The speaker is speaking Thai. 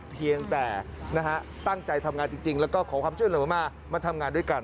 เพียงแต่นะฮะตั้งใจทำงานจริงแล้วก็ขอความช่วยเหลือมามาทำงานด้วยกัน